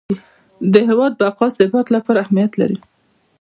د هیواد بقا او ثبات لپاره اهمیت لري.